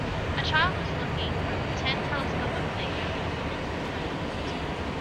A child is looking through a pretend telescope on playground equipment in front of a blue sky.